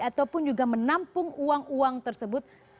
ataupun juga menampung uang uang tersebut